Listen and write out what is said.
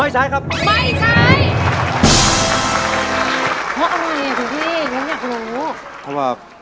ใช่